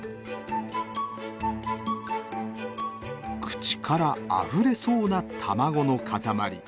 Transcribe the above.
口からあふれそうな卵の塊。